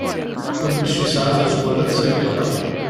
Kullec yesɛa tazwara d taggara.